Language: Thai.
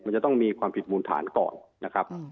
มันจะต้องมีความผิดมูลฐานก่อนนะครับ